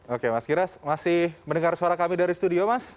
oke mas giras masih mendengar suara kami dari studio mas